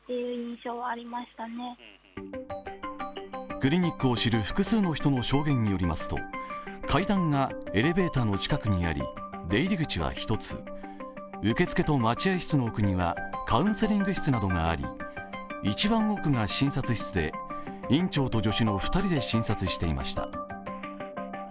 クリニックを知る複数の人の証言によりますと階段がエレベーターの近くにあり出入り口は１つ、受付と待合室の奥にはカウンセリング室などがあり一番奥が診察室で院長と助手の２人で診察していました。